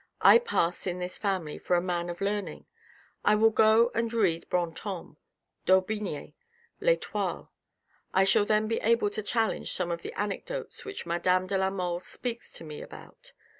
I pass in this family for a man of learning. I will go and read Brantome, D'Aubigne, L'Etoile. I shall then be able to challenge some of the anecdotes which madame de la Mole speaks to me about.